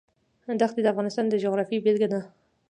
دښتې د افغانستان د جغرافیې بېلګه ده.